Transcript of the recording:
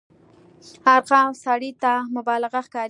ارقام سړي ته مبالغه ښکاري.